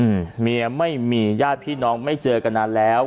อืมเมียไม่มีญาติพี่น้องไม่เจอกันนานแล้ว